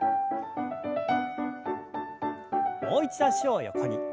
もう一度脚を横に。